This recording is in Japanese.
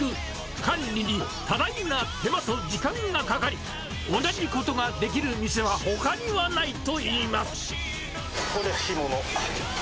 管理に多大な手間と時間がかかり、同じことができる店はほかにはなこれ、干物。